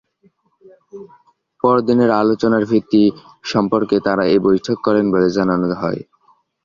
পরদিনের আলোচনার ভিত্তি সম্পর্কে তাঁরা এ বৈঠক করেন বলে জানানো হয়।